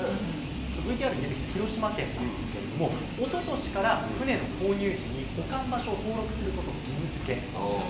ＶＴＲに出てきた広島県なんですけれどもおととしから船の購入時に保管場所を登録することを義務付けました。